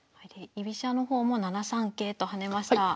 居飛車の方も７三桂と跳ねました。